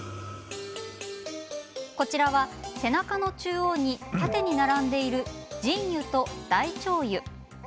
こちらは背中の中央に縦に並んでいるツボ腎兪と大腸兪。